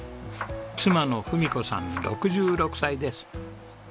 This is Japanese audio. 妻の文子さん６６歳です。